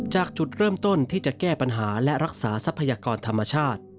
จากจุดเริ่มต้นที่จะแก้ปัญหาและรักษาทรัพยากรธรรมชาติ